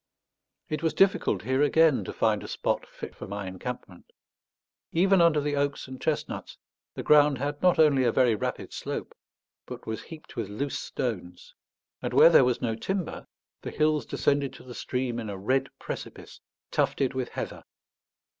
It was difficult here again to find a spot fit for my encampment. Even under the oaks and chestnuts the ground had not only a very rapid slope, but was heaped with loose stones; and where there was no timber the hills descended to the stream in a red precipice tufted with heather.